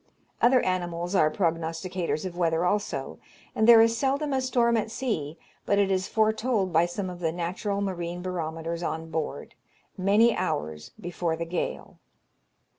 Other animals are prognosticators of weather also; and there is seldom a storm at sea, but it is foretold by some of the natural marine barometers on board, many hours before the gale.